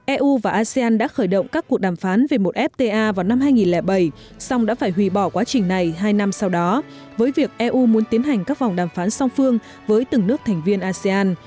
eu và asean đã khởi động các cuộc đàm phán về một fta vào năm hai nghìn bảy song đã phải hủy bỏ quá trình này hai năm sau đó với việc eu muốn tiến hành các vòng đàm phán song phương với từng nước thành viên asean